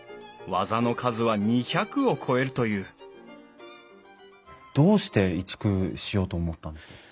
技の数は２００を超えるというどうして移築しようと思ったんですか？